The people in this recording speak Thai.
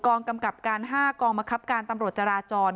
กองกำกับการห้ากองมกรับการตำรวจจาราจร